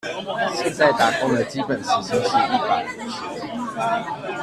現在打工的基本時薪是一百五十元